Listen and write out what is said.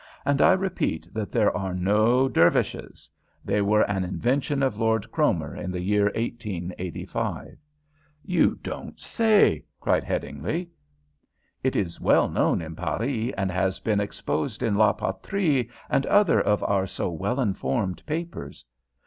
And I repeat that there are no Dervishes. They were an invention of Lord Cromer in the year 1885." "You don't say!" cried Headingly. "It is well known in Paris, and has been exposed in La Patrie and other of our so well informed papers."